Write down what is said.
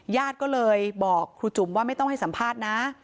ญาติก็เลยบอกครูจุ๋มว่าไม่ต้องให้สัมภาษณ์นะ